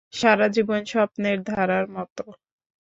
সারা জীবন স্বপ্নের ধারার মত।